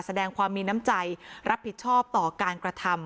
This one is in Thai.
แสดงความมีน้ำใจรับผิดชอบต่อการกระทำ